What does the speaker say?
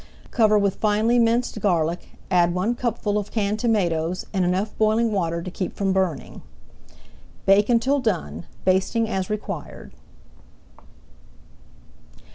Cover with finely minced garlic, add one cupful of canned tomatoes and enough boiling water to keep from burning. Bake until done, basting as required.